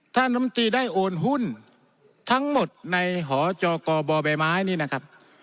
ท่านธรรมตีได้โอนหุ้นทั้งหมดในหอจอกรบ่อแบบไม้นี้นะครับ